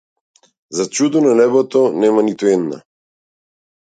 За чудо, на небото нема ниту една.